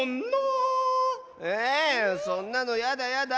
えそんなのやだやだ。